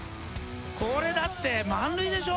これだって満塁でしょ？